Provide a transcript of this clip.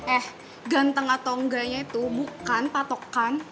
eh ganteng atau enggaknya itu bukan patokan